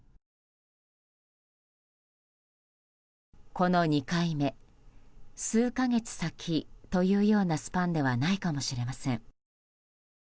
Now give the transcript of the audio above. この２回目数か月先というようなスパンではないかもしれません。